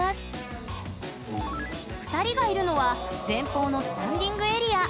２人がいるのは前方のスタンディングエリア。